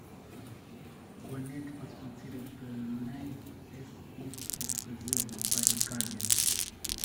Bonete was considered the ninth best beach of Brazil by "The Guardian".